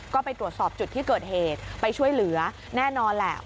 ก็ไปตรวจสอบจุดที่เกิดเหตุไปช่วยเหลือแน่นอนแหละ